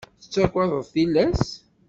Tettagadeḍ tillas?